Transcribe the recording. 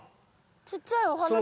ちっちゃいお花ですか？